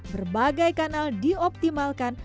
berbagai kanal dioptimalkan